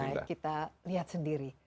baik kita lihat sendiri